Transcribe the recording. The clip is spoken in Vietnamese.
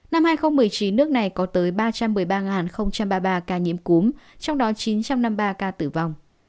năm hai nghìn một mươi chín nước này có tới ba trăm một mươi ba ba mươi ba ca nhiễm cúm trong đó chín trăm năm mươi ba ca tử vong